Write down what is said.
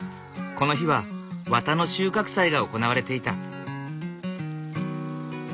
この日は綿の収穫祭が行われていた。